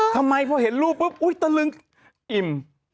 ทำไมพอเห็นรูปปุ๊บอุ๊ยตะลึงอิ่ม